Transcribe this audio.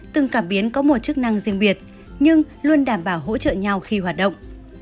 từng cảm biến có một chức năng riêng biệt nhưng luôn đảm bảo hỗ trợ nhau khi hoạt động